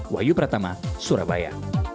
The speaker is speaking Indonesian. wayu pratama surabaya